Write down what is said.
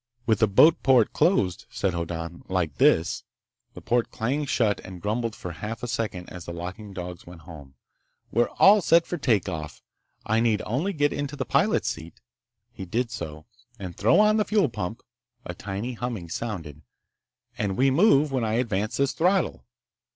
"With the boatport closed," said Hoddan, "like this—" The port clanged shut and grumbled for half a second as the locking dogs went home. "We're all set for take off. I need only get into the pilot's seat"—he did so, "and throw on the fuel pump—" A tiny humming sounded. "And we move when I advance this throttle!"